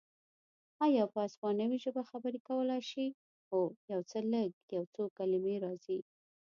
ایا په اسپانوي ژبه خبرې کولای شې؟ هو، یو څه لږ، یو څو کلمې راځي.